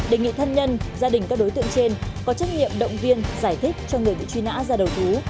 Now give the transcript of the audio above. đề nghị thân nhân gia đình các đối tượng trên có trách nhiệm động viên giải thích cho người bị truy nã ra đầu thú